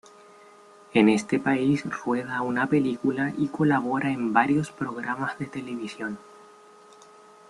En este país rueda una película y colabora en varios programas de televisión.